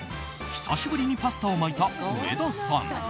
久しぶりにパスタを巻いた上田さん。